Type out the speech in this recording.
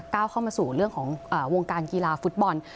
เข้ามาสู่เรื่องของวงการกีฬาฟุตบอล